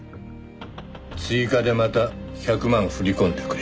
「追加でまた１００万振り込んでくれ」